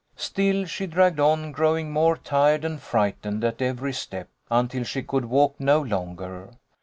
Still she dragged on, growing more tired and frightened at every step, until she could walk no longer.